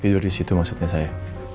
tidur disitu maksudnya saya